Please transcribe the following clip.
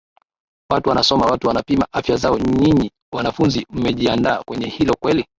watu wanasoma watu wanapima afya zao nyinyi wanafunzi mmejiandaa kwenye hilo kweli